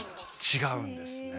違うんですね。